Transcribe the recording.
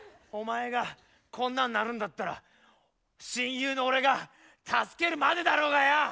お前がこんなんなるんだったら親友の俺が助けるまでだろうがよ！